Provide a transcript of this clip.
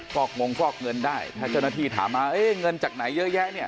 ฟอกงงฟอกเงินได้ถ้าเจ้าหน้าที่ถามมาเอ๊ะเงินจากไหนเยอะแยะเนี่ย